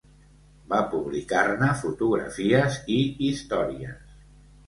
Van publicar-ne fotografies i històries.